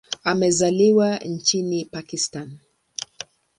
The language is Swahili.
Amezaliwa nchini Pakistan.